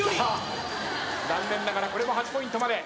残念ながらこれも８ポイントまで。